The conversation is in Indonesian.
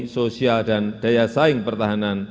sosial dan daya saing pertahanan